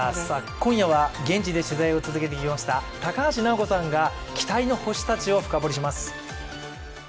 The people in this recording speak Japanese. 今夜は現地で取材を続けていました高橋尚子さんが期待の星たちを深掘りします。